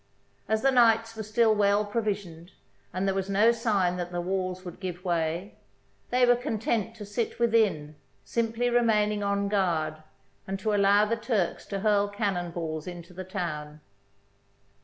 As the knights were still well provisioned, and there was no sign that the walls would give way, they were content to sit within, simply remaining on guard, and to allow the Turks to hurl cannon balls into the town.